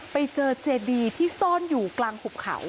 ไปเจอเจดีที่ซ่อนอยู่กลางหุบเขา